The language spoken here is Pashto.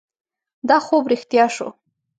دا خوب رښتیا شو.